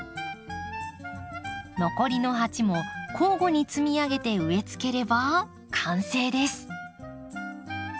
残りの鉢も交互に積み上げて植えつければ完成です。